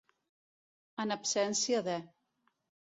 En absència de.